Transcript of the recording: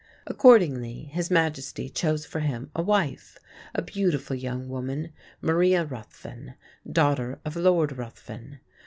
Accordingly, his Majesty chose for him a wife, a beautiful young woman, Maria Ruthven, daughter of Lord Ruthven.